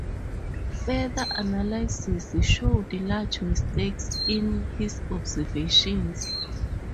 Further analysis showed large mistakes in his observations.